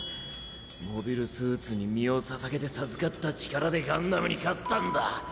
モビルスーツに身をささげて授かった力でガンダムに勝ったんだ。